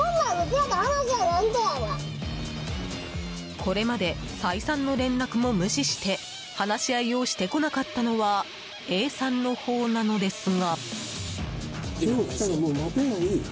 これまで再三の連絡も無視して話し合いをしてこなかったのはＡさんのほうなのですが。